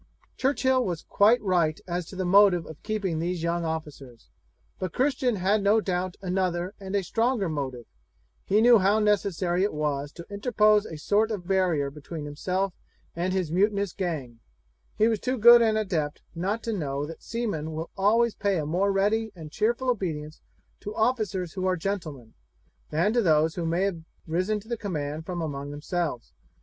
Churchill was quite right as to the motive of keeping these young officers; but Christian had no doubt another and a stronger motive: he knew how necessary it was to interpose a sort of barrier between himself and his mutinous gang; he was too good an adept not to know that seamen will always pay a more ready and cheerful obedience to officers who are gentlemen, than to those who may have risen to command from among themselves.